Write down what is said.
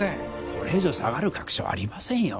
これ以上下がる確証ありませんよ